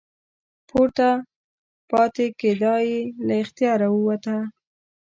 پورته پاتې کیدا یې له اختیاره ووته.